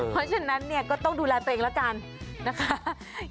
เพราะฉะนั้นเนี่ยก็ต้องดูแลตัวเองแล้วกันนะคะ